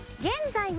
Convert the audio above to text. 現在？